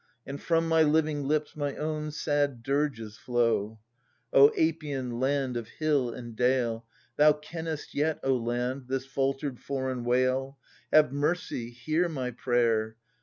And from my living lips my own sad dirges flow ! O Apian land of hill and dale. Thou kennest yet, O land, this faltered foreign wail — Have mercy, hear my prayer